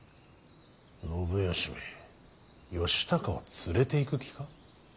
信義め義高を連れていく気か。